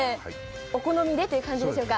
お好みでって感じでしょうか。